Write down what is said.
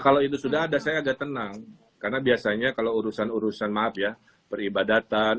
kalau itu sudah ada saya agak tenang karena biasanya kalau urusan urusan maaf ya peribadatan